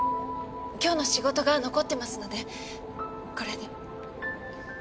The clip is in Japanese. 今日の仕事が残ってますのでこれで。